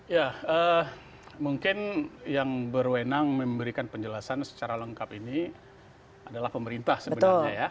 ya mungkin yang berwenang memberikan penjelasan secara lengkap ini adalah pemerintah sebenarnya ya